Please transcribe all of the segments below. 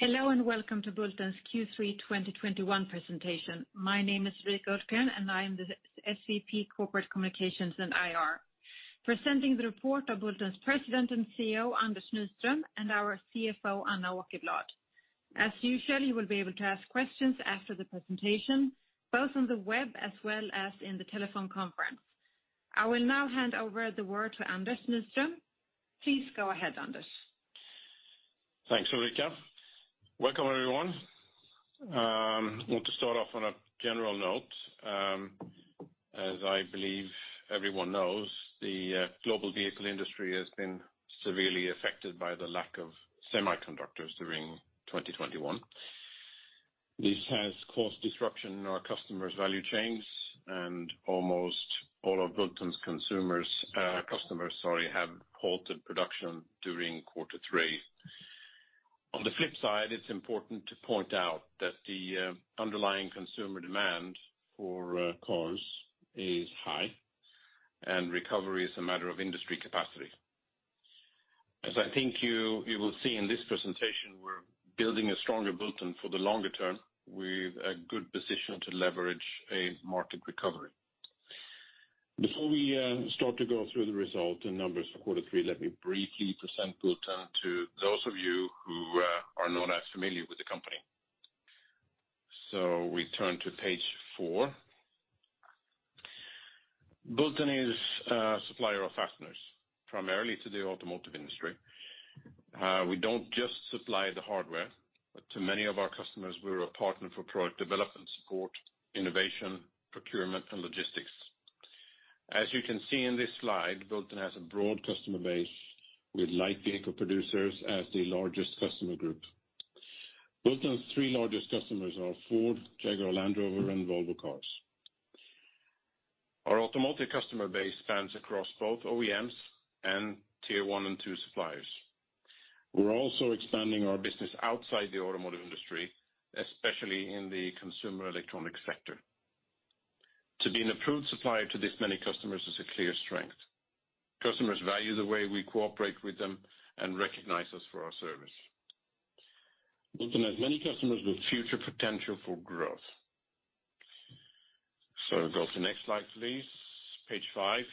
Hello, and welcome to Bulten's Q3 2021 presentation. My name is Ulrika Hultgren, and I am the SVP Corporate Communications & IR. Presenting the report are Bulten's President and CEO, Anders Nyström, and our CFO, Anna Åkerblad. As usual, you will be able to ask questions after the presentation, both on the web as well as in the telephone conference. I will now hand over the word to Anders Nyström. Please go ahead, Anders. Thanks, Ulrika. Welcome, everyone. Want to start off on a general note. As I believe everyone knows, the global vehicle industry has been severely affected by the lack of semiconductors during 2021. This has caused disruption in our customers' value chains, and almost all of Bulten's customers have halted production during quarter three. On the flip side, it's important to point out that the underlying consumer demand for cars is high, and recovery is a matter of industry capacity. As I think you will see in this presentation, we're building a stronger Bulten for the longer term, with a good position to leverage a market recovery. Before we start to go through the result and numbers for quarter three, let me briefly present Bulten to those of you who are not as familiar with the company. We turn to page 4. Bulten is a supplier of fasteners, primarily to the automotive industry. We don't just supply the hardware, but to many of our customers, we're a partner for product development support, innovation, procurement, and logistics. As you can see in this slide, Bulten has a broad customer base, with light vehicle producers as the largest customer group. Bulten's three largest customers are Ford, Jaguar Land Rover, and Volvo Cars. Our automotive customer base spans across both OEMs and tier one and two suppliers. We're also expanding our business outside the automotive industry, especially in the consumer electronics sector. To be an approved supplier to this many customers is a clear strength. Customers value the way we cooperate with them and recognize us for our service. Bulten has many customers with future potential for growth. Go to the next slide, please. Page 5.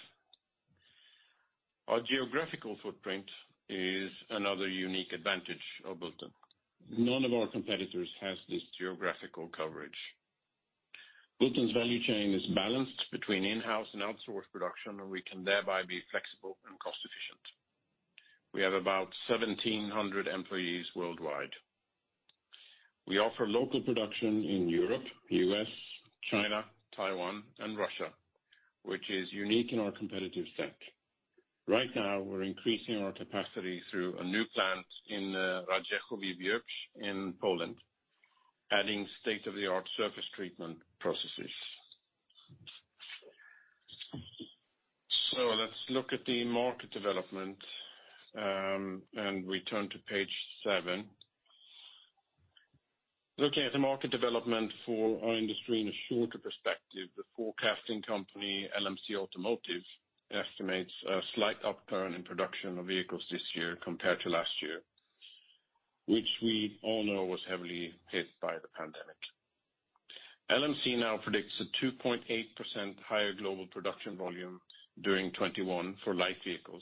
Our geographical footprint is another unique advantage of Bulten. None of our competitors has this geographical coverage. Bulten's value chain is balanced between in-house and outsourced production, and we can thereby be flexible and cost efficient. We have about 1,700 employees worldwide. We offer local production in Europe, U.S., China, Taiwan, and Russia, which is unique in our competitive set. Right now, we're increasing our capacity through a new plant in Radziejowice, in Poland, adding state-of-the-art surface treatment processes. Let's look at the market development, and we turn to page 7. Looking at the market development for our industry in a shorter perspective, the forecasting company LMC Automotive estimates a slight upturn in production of vehicles this year compared to last year, which we all know was heavily hit by the pandemic. LMC now predicts a 2.8% higher global production volume during 2021 for light vehicles.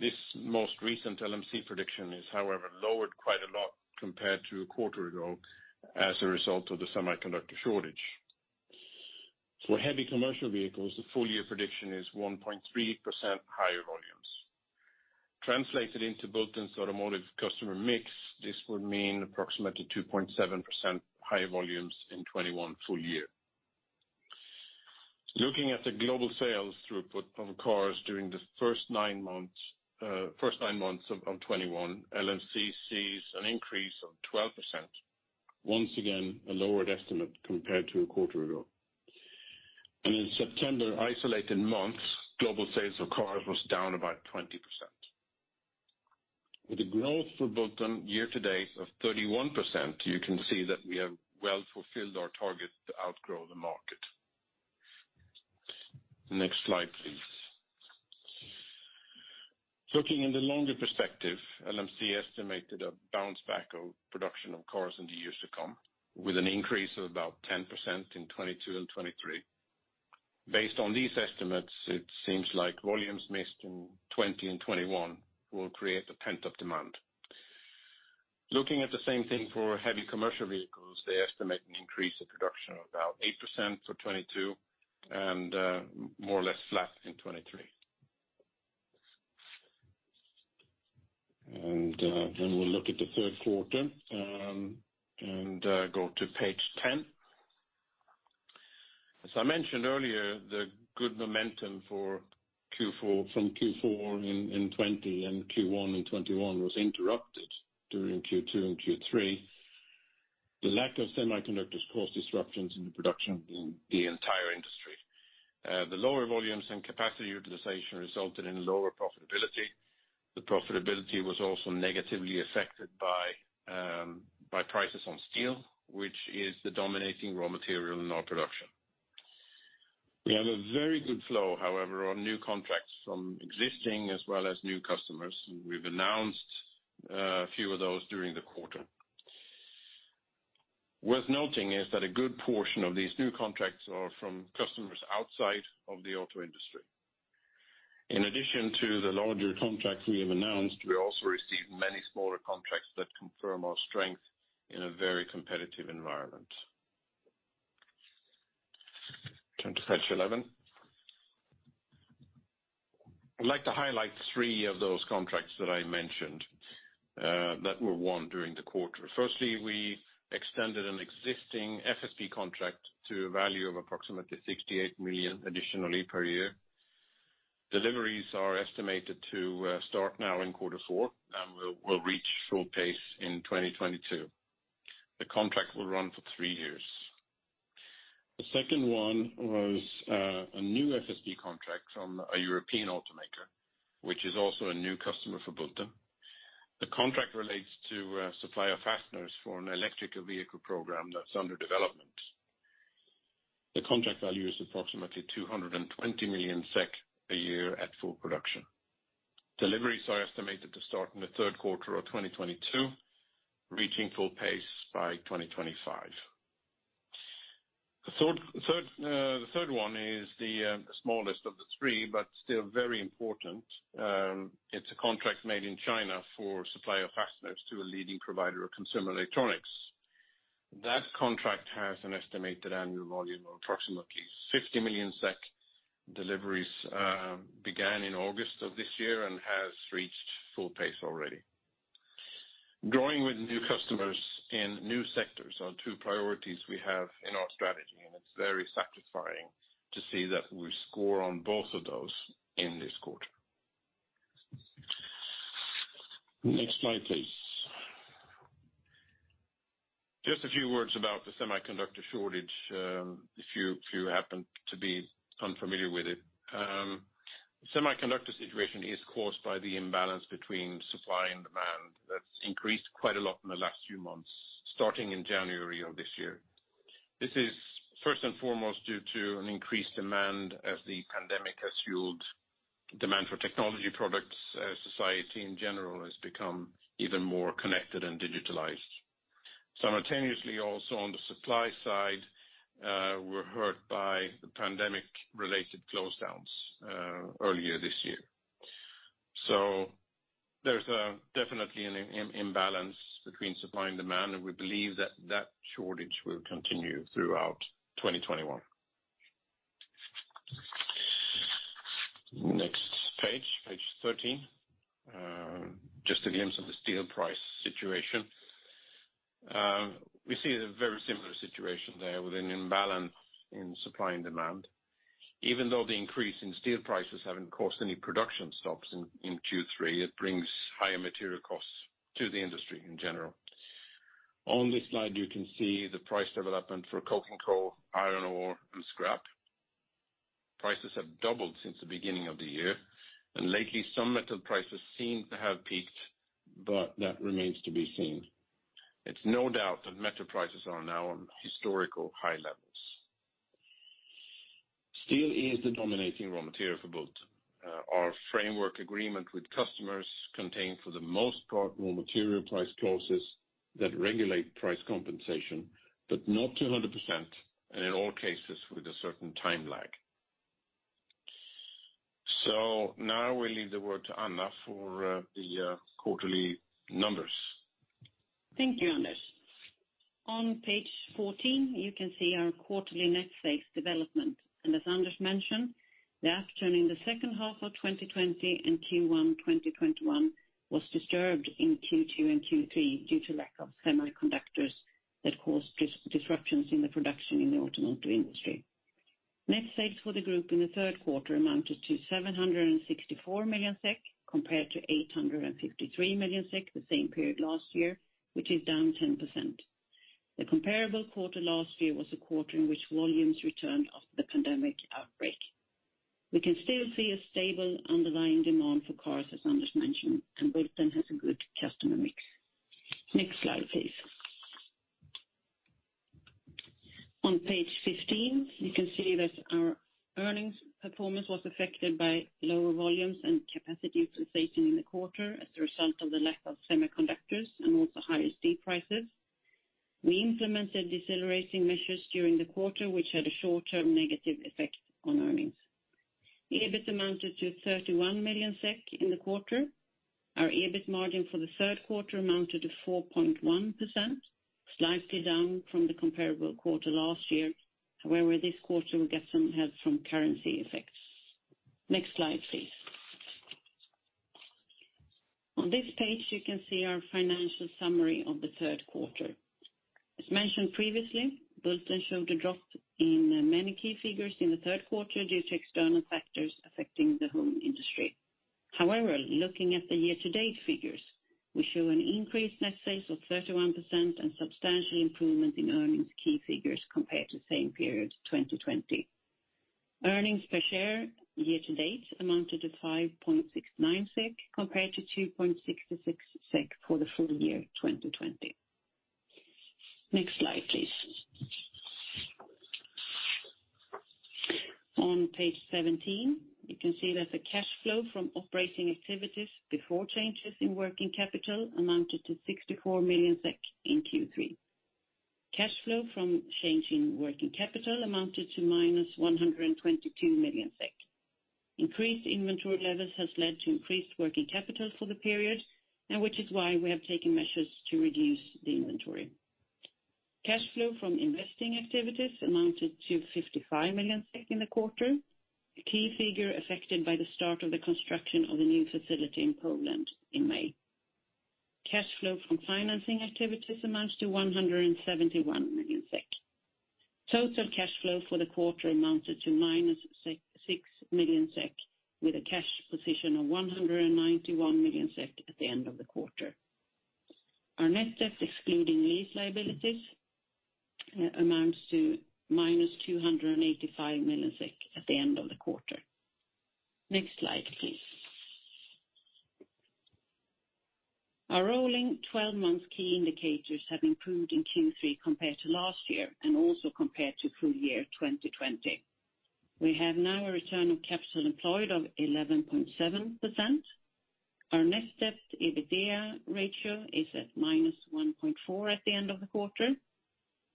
This most recent LMC prediction is, however, lowered quite a lot compared to a quarter ago as a result of the semiconductor shortage. For heavy commercial vehicles, the full year prediction is 1.3% higher volumes. Translated into Bulten's automotive customer mix, this would mean approximately 2.7% higher volumes in 2021 full year. Looking at the global sales throughput of cars during the first nine months of 2021, LMC sees an increase of 12%, once again, a lowered estimate compared to a quarter ago. In September isolated months, global sales of cars was down about 20%. With the growth for Bulten year to date of 31%, you can see that we have well fulfilled our target to outgrow the market. Next slide, please. Looking in the longer perspective, LMC estimated a bounce back of production of cars in the years to come, with an increase of about 10% in 2022 and 2023. Based on these estimates, it seems like volumes missed in 2020 and 2021 will create a pent-up demand. Looking at the same thing for heavy commercial vehicles, they estimate an increase in production of about 8% for 2022 and more or less flat in 2023. Then we look at the third quarter and go to page 10. As I mentioned earlier, the good momentum from Q4 in 2020 and Q1 in 2021 was interrupted during Q2 and Q3. The lack of semiconductors caused disruptions in the production in the entire industry. The lower volumes and capacity utilization resulted in lower profitability. The profitability was also negatively affected by prices on steel, which is the dominant raw material in our production. We have a very good flow, however, on new contracts from existing as well as new customers. We've announced a few of those during the quarter. Worth noting is that a good portion of these new contracts are from customers outside of the auto industry. In addition to the larger contracts we have announced, we also received many smaller contracts that confirm our strength in a very competitive environment. Turn to page 11. I'd like to highlight three of those contracts that I mentioned that were won during the quarter. Firstly, we extended an existing FSP contract to a value of approximately 68 million additionally per year. Deliveries are estimated to start now in quarter four, and we'll reach full pace in 2022. The contract will run for three years. The second one was a new FSP contract from a European automaker, which is also a new customer for Bulten. The contract relates to supplier fasteners for an electric vehicle program that's under development. The contract value is approximately 220 million SEK a year at full production. Deliveries are estimated to start in the third quarter of 2022, reaching full pace by 2025. The third one is the smallest of the three, but still very important. It's a contract made in China for supplier fasteners to a leading provider of consumer electronics. That contract has an estimated annual volume of approximately 50 million SEK. Deliveries began in August of this year and has reached full pace already. Growing with new customers in new sectors are two priorities we have in our strategy, and it's very satisfying to see that we score on both of those in this quarter. Next slide, please. Just a few words about the semiconductor shortage, if you happen to be unfamiliar with it. Semiconductor situation is caused by the imbalance between supply and demand that's increased quite a lot in the last few months, starting in January of this year. This is first and foremost due to an increased demand as the pandemic has fueled demand for technology products as society in general has become even more connected and digitalized. Simultaneously also on the supply side, we're hurt by the pandemic related closedowns, earlier this year. There's definitely an imbalance between supply and demand, and we believe that shortage will continue throughout 2021. Next page 13. Just a glimpse of the steel price situation. We see a very similar situation there with an imbalance in supply and demand. Even though the increase in steel prices haven't caused any production stops in Q3, it brings higher material costs to the industry in general. On this slide, you can see the price development for coking coal, iron ore, and scrap. Prices have doubled since the beginning of the year, and lately, some metal prices seem to have peaked, but that remains to be seen. It's no doubt that metal prices are now on historical high levels. Steel is the dominating raw material for Bulten. Our framework agreement with customers contain, for the most part, raw material price clauses that regulate price compensation, but not 100%, and in all cases, with a certain time lag. Now I will leave the word to Anna for the quarterly numbers. Thank you, Anders. On page 14, you can see our quarterly net sales development. As Anders mentioned, the upturn in the second half of 2020 and Q1 2021 was disturbed in Q2 and Q3 due to lack of semiconductors that caused disruptions in the production in the automotive industry. Net sales for the group in the third quarter amounted to 764 million SEK compared to 853 million SEK the same period last year, which is down 10%. The comparable quarter last year was a quarter in which volumes returned after the pandemic outbreak. We can still see a stable underlying demand for cars, as Anders mentioned, and Bulten has a good customer mix. Next slide, please. On page 15, you can see that our earnings performance was affected by lower volumes and capacity utilization in the quarter as a result of the lack of semiconductors and also higher steel prices. We implemented decelerating measures during the quarter, which had a short-term negative effect on earnings. EBIT amounted to 31 million SEK in the quarter. Our EBIT margin for the third quarter amounted to 4.1%, slightly down from the comparable quarter last year. However, this quarter will get some help from currency effects. Next slide, please. On this page, you can see our financial summary of the third quarter. As mentioned previously, Bulten showed a drop in many key figures in the third quarter due to external factors affecting the whole industry. However, looking at the year-to-date figures, we show an increased net sales of 31% and substantial improvement in earnings key figures compared to the same period 2020. Earnings per share year to date amounted to 5.69 SEK compared to 2.66 SEK for the full year 2020. Next slide, please. On page 17, you can see that the cash flow from operating activities before changes in working capital amounted to 64 million SEK in Q3. Cash flow from changes in working capital amounted to -122 million SEK. Increased inventory levels has led to increased working capital for the period, and which is why we have taken measures to reduce the inventory. Cash flow from investing activities amounted to 55 million in the quarter. A key figure affected by the start of the construction of the new facility in Poland in May. Cash flow from financing activities amounts to 171 million SEK. Total cash flow for the quarter amounted to m-SEK 6 million, with a cash position of 191 million SEK at the end of the quarter. Our net debt, excluding lease liabilities, amounts to -285 million at the end of the quarter. Next slide, please. Our rolling twelve months key indicators have improved in Q3 compared to last year, and also compared to full year 2020. We have now a return of capital employed of 11.7%. Our net debt EBITDA ratio is at minus 1.4 at the end of the quarter.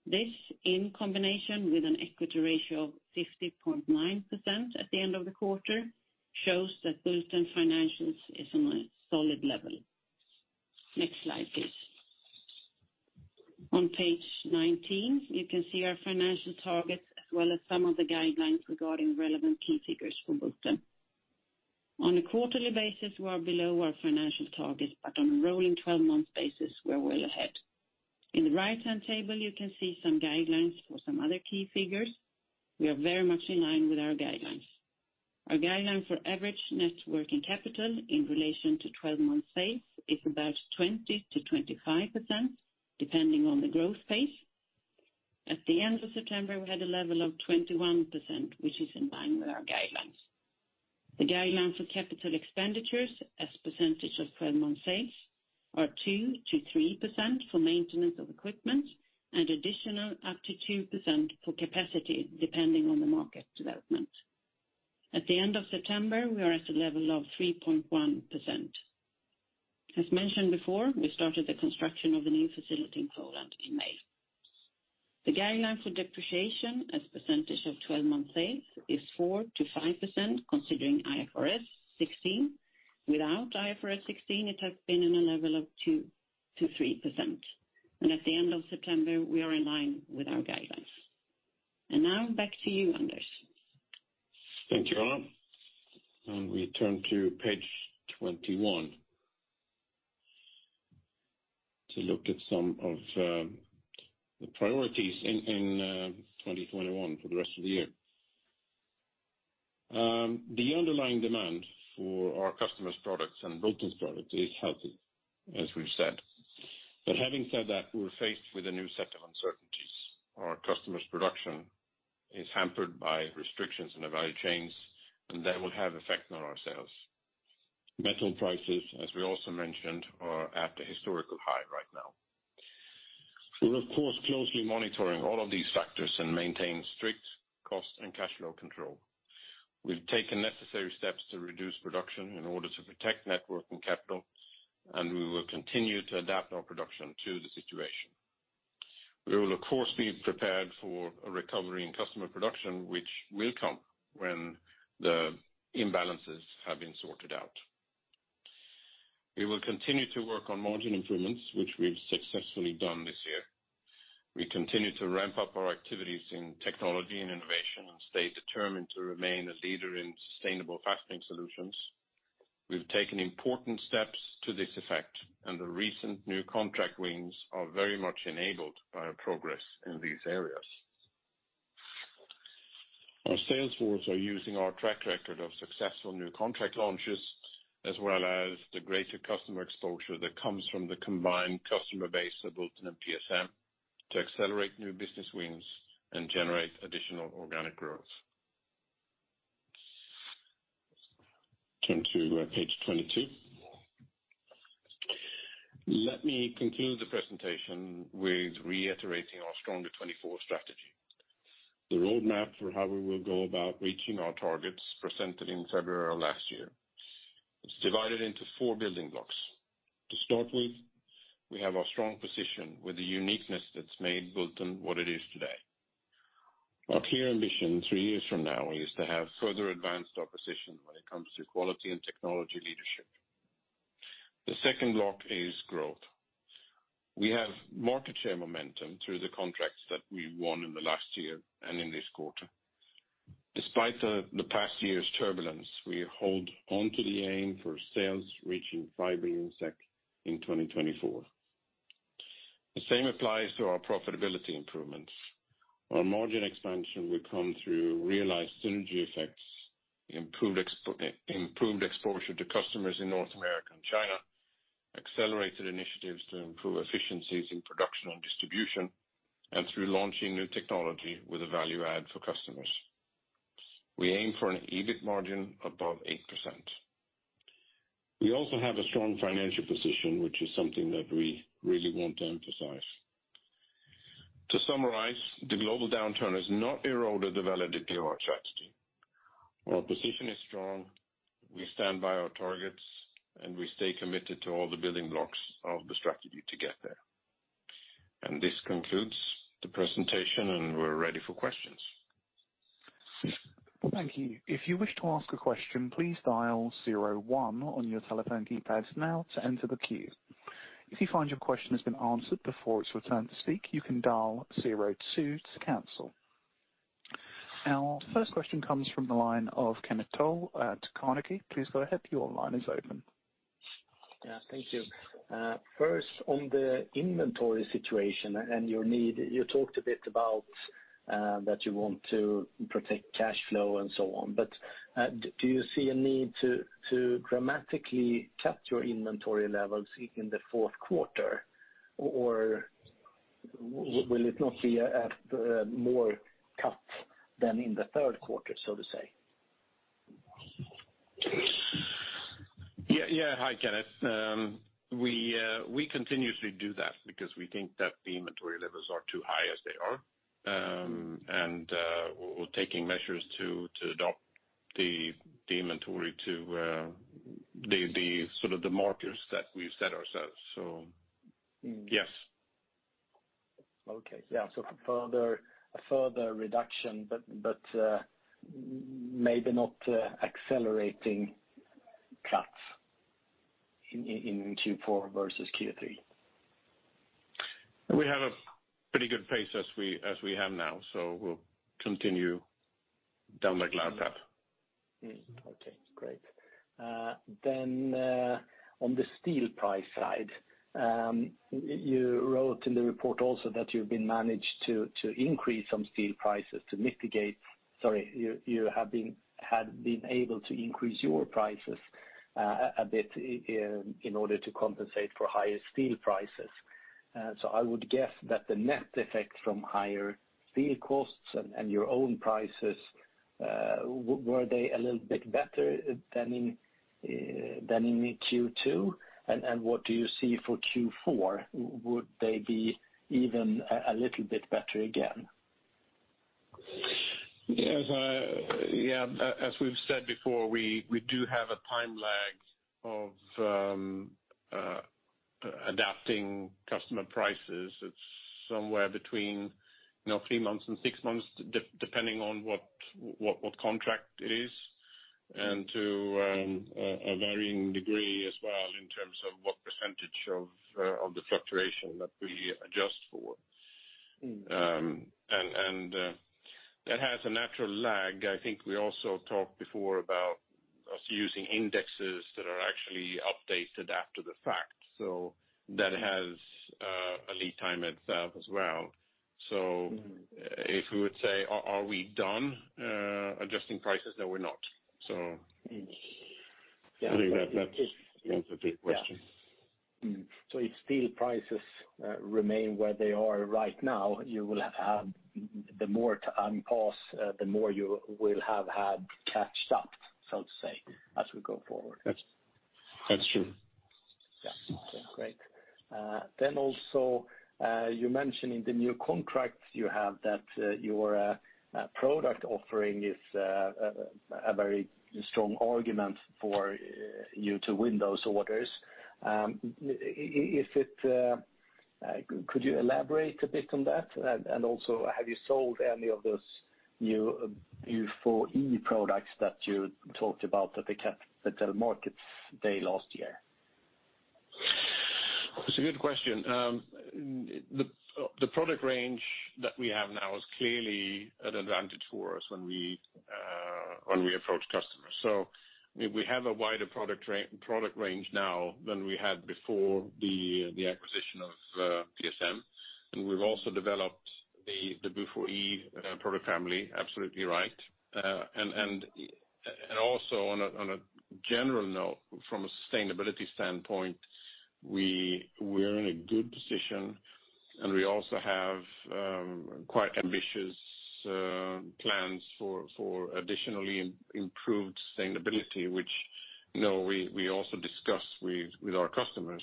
This, in combination with an equity ratio of 50.9% at the end of the quarter, shows that Bulten financials is on a solid level. Next slide, please. On page 19, you can see our financial targets, as well as some of the guidelines regarding relevant key figures for Bulten. On a quarterly basis, we are below our financial targets, but on a rolling 12 months basis, we're well ahead. In the right-hand table, you can see some guidelines for some other key figures. We are very much in line with our guidelines. Our guideline for average net working capital in relation to 12 months sales is about 20%-25%, depending on the growth pace. At the end of September, we had a level of 21%, which is in line with our guidelines. The guidelines for capital expenditures as percentage of 12-month sales are 2%-3% for maintenance of equipment and additional up to 2% for capacity, depending on the market development. At the end of September, we are at a level of 3.1%. As mentioned before, we started the construction of a new facility in Poland in May. The guidelines for depreciation as a percentage of 12 months sales is 4%-5% considering IFRS 16. Without IFRS 16, it has been in a level of 2%-3%. At the end of September, we are in line with our guidelines. Now back to you, Anders. Thank you, Anna. We turn to page 21 to look at some of the priorities in 2021 for the rest of the year. The underlying demand for our customers' products and Bulten's product is healthy, as we've said. Having said that, we're faced with a new set of uncertainties. Our customers' production is hampered by restrictions in the value chains, and that will have effect on our sales. Metal prices, as we also mentioned, are at a historical high right now. We're, of course, closely monitoring all of these factors and maintain strict cost and cash flow control. We've taken necessary steps to reduce production in order to protect net working capital, and we will continue to adapt our production to the situation. We will, of course, be prepared for a recovery in customer production, which will come when the imbalances have been sorted out. We will continue to work on margin improvements, which we've successfully done this year. We continue to ramp up our activities in technology and innovation, and stay determined to remain a leader in sustainable fastening solutions. We've taken important steps to this effect, and the recent new contract wins are very much enabled by our progress in these areas. Our sales force are using our track record of successful new contract launches, as well as the greater customer exposure that comes from the combined customer base of Bulten and PSM to accelerate new business wins and generate additional organic growth. Turn to page 22. Let me conclude the presentation with reiterating our Stronger 24 strategy. The roadmap for how we will go about reaching our targets presented in February of last year. It's divided into four building blocks. To start with, we have our strong position with the uniqueness that's made Bulten what it is today. Our clear ambition three years from now is to have further advanced our position when it comes to quality and technology leadership. The second block is growth. We have market share momentum through the contracts that we won in the last year and in this quarter. Despite the past year's turbulence, we hold on to the aim for sales reaching 5 billion SEK in 2024. The same applies to our profitability improvements. Our margin expansion will come through realized synergy effects, improved exposure to customers in North America and China, accelerated initiatives to improve efficiencies in production and distribution, and through launching new technology with a value add for customers. We aim for an EBIT margin above 8%. We also have a strong financial position, which is something that we really want to emphasize. To summarize, the global downturn has not eroded the validity of our strategy. Our position is strong. We stand by our targets, and we stay committed to all the building blocks of the strategy to get there. This concludes the presentation, and we're ready for questions. Our first question comes from the line of Kenneth Toll at Carnegie. Please go ahead. Your line is open. Yeah, thank you. First on the inventory situation and your need. You talked a bit about that you want to protect cash flow and so on, but do you see a need to dramatically cut your inventory levels in the fourth quarter? Or will it not be a more cut than in the third quarter, so to say? Yeah, yeah. Hi, Kenneth. We continuously do that because we think that the inventory levels are too high as they are. We're taking measures to adapt the inventory to the sort of markers that we've set ourselves. Yes. Okay. Yeah. Further, a further reduction, but maybe not accelerating cuts in Q4 versus Q3. We have a pretty good pace as we have now, so we'll continue down that path. Okay, great. On the steel price side, you wrote in the report also that you've managed to increase some steel prices to mitigate. Sorry, you have been able to increase your prices a bit in order to compensate for higher steel prices. I would guess that the net effect from higher steel costs and your own prices were they a little bit better than in Q2 and what do you see for Q4? Would they be even a little bit better again? As we've said before, we do have a time lag of adapting customer prices. It's somewhere between, you know, three months and six months, depending on what contract it is, and to a varying degree as well in terms of what percentage of the fluctuation that we adjust for. Mm. That has a natural lag. I think we also talked before about us using indexes that are actually updated after the fact. That has a lead time itself as well. Mm. If we would say, are we done adjusting prices? No, we're not. Mm. I think that that's a big question. If steel prices remain where they are right now, you will have the more time, cost, the more you will have had caught up, so to say, as we go forward. That's true. Yeah. Okay, great. Also, you mentioned in the new contracts you have that your product offering is a very strong argument for you to win those orders. Is it? Could you elaborate a bit on that? Also, have you sold any of those new BU4E products that you talked about at the Capital Markets Day last year? It's a good question. The product range that we have now is clearly an advantage for us when we approach customers. We have a wider product range now than we had before the acquisition of PSM. We've also developed the BU4E product family, absolutely right. Also on a general note, from a sustainability standpoint, we're in a good position, and we also have quite ambitious plans for additionally improved sustainability, which, you know, we also discuss with our customers.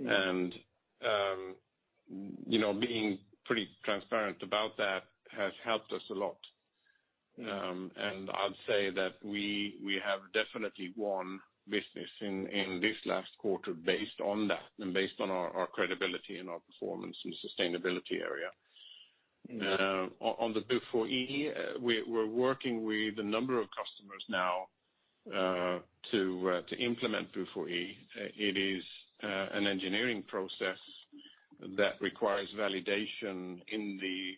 Mm. You know, being pretty transparent about that has helped us a lot. I'd say that we have definitely won business in this last quarter based on that and based on our credibility and our performance in sustainability area. Mm. On the BU4E, we're working with a number of customers now to implement BU4E. It is an engineering process that requires validation in the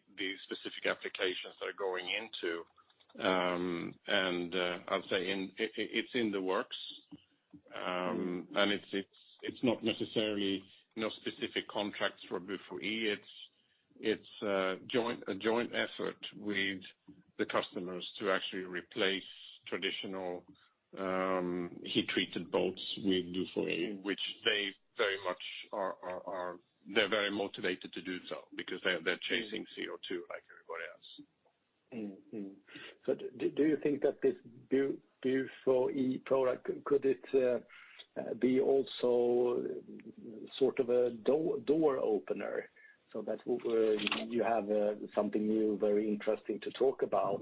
specific applications they're going into. I'd say it's in the works. It's not necessarily, you know, specific contracts for BU4E. It's a joint effort with the customers to actually replace traditional heat-treated bolts with BU4E, which they're very motivated to do so because they're chasing CO2 like everybody else. Do you think that this BU4E product could it be also sort of a door opener so that where you have something new, very interesting to talk about?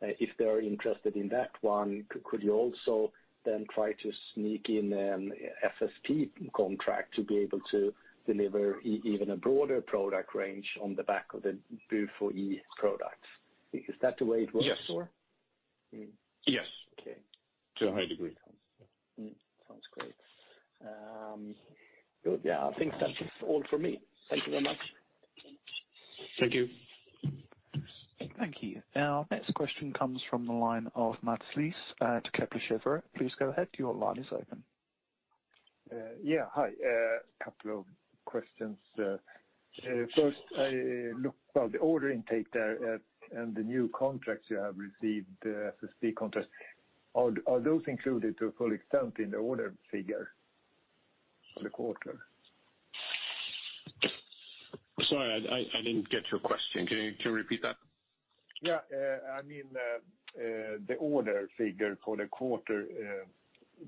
If they're interested in that one, could you also then try to sneak in an FSP contract to be able to deliver even a broader product range on the back of the BU4E products? Is that the way it works or? Yes. Mm-hmm. Yes. Okay. To a high degree. Mm-hmm. Sounds great. Good. Yeah, I think that is all for me. Thank you very much. Thank you. Thank you. Our next question comes from the line of Mats Liss at Kepler Cheuvreux. Please go ahead. Your line is open. A couple of questions. First, the order intake and the new contracts you have received, the FSP contract, are those included to a full extent in the order figure for the quarter? Sorry, I didn't get your question. Can you repeat that? Yeah. I mean, the order figure for the quarter,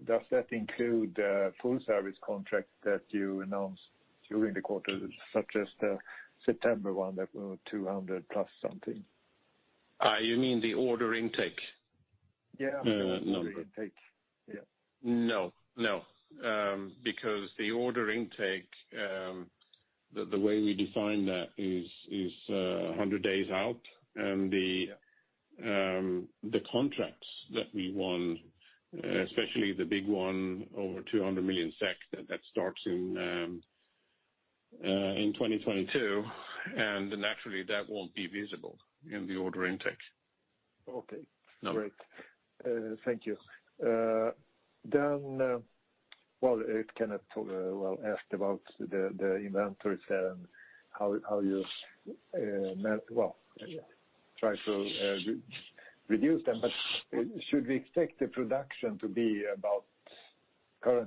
does that include the full service contract that you announced during the quarter, such as the September one that were 200 plus something? You mean the order intake? Yeah. Number? Order intake, yeah. No, no. Because the order intake, the way we define that is 100 days out. The contracts that we won, especially the big one over 200 million SEK, that starts in 2022. Naturally, that won't be visible in the order intake. Okay. Number. Great. Thank you. Then, well, Ulrik asked about the inventories and how you try to reduce them. Should we expect the production to be about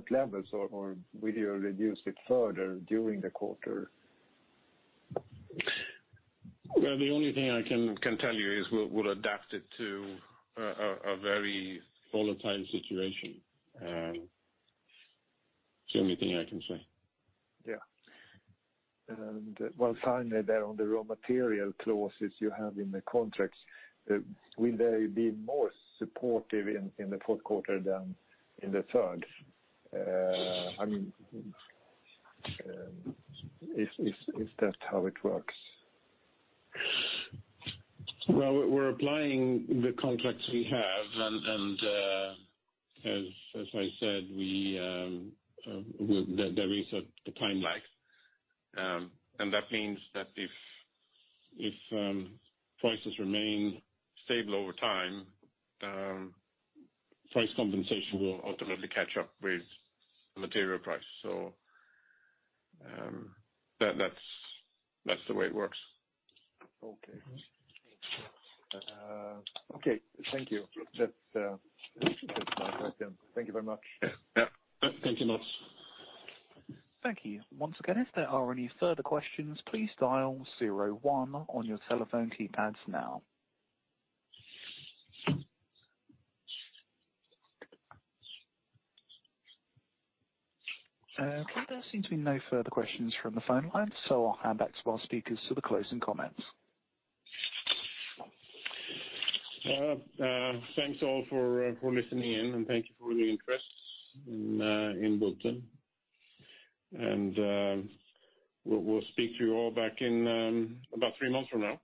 current levels or will you reduce it further during the quarter? Well, the only thing I can tell you is we'll adapt it to a very volatile situation. It's the only thing I can say. Yeah. Well, finally, there on the raw material clauses you have in the contracts, will they be more supportive in the fourth quarter than in the third? I mean, is that how it works? Well, we're applying the contracts we have, and as I said, there is a time lag. That means that if prices remain stable over time, price compensation will ultimately catch up with the material price. That's the way it works. Okay. Okay. Thank you. That's my question. Thank you very much. Yeah. Thank you, Mats. Thank you. Once again, if there are any further questions, please dial zero one on your telephone keypads now. Okay. There seems to be no further questions from the phone line, so I'll hand back to our speakers for the closing comments. Thanks all for listening in, and thank you for the interest in Bulten. We'll speak to you all back in about three months from now.